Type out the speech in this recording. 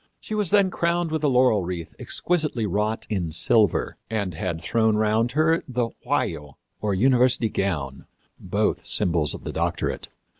She was then crowned with a laurel wreath exquisitely wrought in silver, and had thrown round her the vajo, or university gown, both symbols of the doctorate.